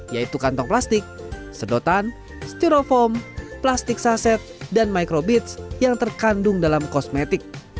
yaitu kantong plastik sedotan styrofoam plastik saset dan microbeats yang terkandung dalam kosmetik